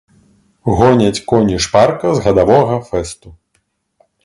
Гоняць коні шпарка з гадавога фэсту.